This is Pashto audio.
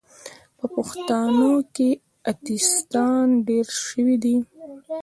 په پښتانو کې اتیستان ډیر سوې دي